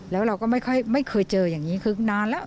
แล้วเราก็ไม่เคยเจออย่างนี้คือนานแล้ว